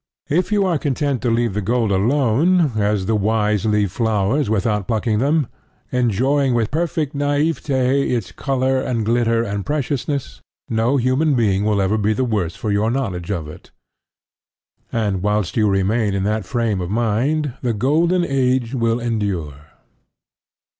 If you are content to leave the gold alone, as the wise leave flowers without plucking them, enjoying with perfect naivete its color and glitter and preciousness, no human being will ever be the worse for your knowledge of it; and whilst you remain in that frame of mind the golden age will endure.